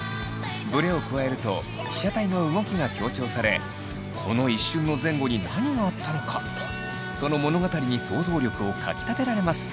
ブレを加えると被写体の動きが強調されこの一瞬の前後に何があったのかその物語に想像力をかきたてられます。